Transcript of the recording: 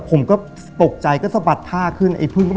ผมก็ตกใจก็สะบัดผ้าขึ้น